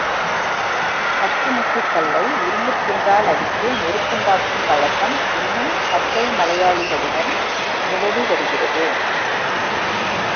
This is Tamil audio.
சக்கிமுக்கிக் கல்லை இரும்புத்துண்டால் அடித்து நெருப்புண்டாக்கும் பழக்கம் இன்னும் பச்சை மலையாளிகளிடம் நிலவி வருகிறது.